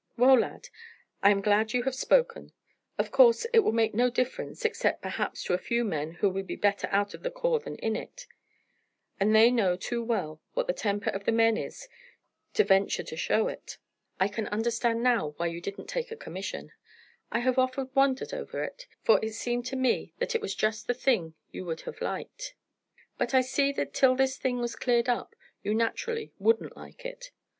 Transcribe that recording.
"Well, lad, I am glad you have spoken. Of course it will make no difference, except perhaps to a few men who would be better out of the corps than in it; and they know too well what the temper of the men is to venture to show it. I can understand now why you didn't take a commission. I have often wondered over it, for it seemed to me that it was just the thing you would have liked. But I see that till this thing was cleared up you naturally wouldn't like it.